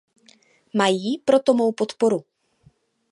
Mají proto mou podporu.